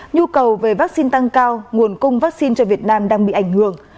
nhu cầu về vaccine tăng cao nguồn cung vaccine cho việt nam đang bị ảnh hưởng